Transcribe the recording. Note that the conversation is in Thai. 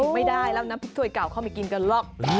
ไม่ได้แล้วน้ำพริกถ้วยเก่าเขาไม่กินกันหรอก